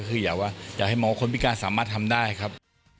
คืออย่าว่าอยากให้หมอคนพิการสามารถทำได้ครับ